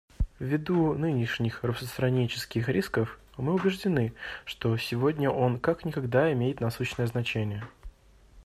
Ввиду нынешних распространенческих рисков мы убеждены, что сегодня он как никогда имеет насущное значение.